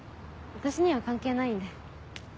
私には関係ないんで。